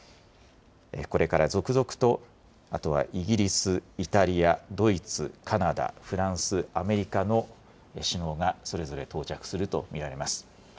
これから続々とあとはイギリス、イタリア、ドイツ、カナダ、フランス、アメリカの首脳がそれぞれ到着すると見られます。